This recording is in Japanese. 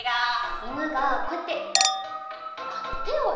いぬがこうやっててをね